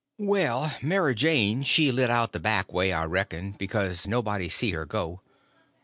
Well, Mary Jane she lit out the back way, I reckon; because nobody see her go.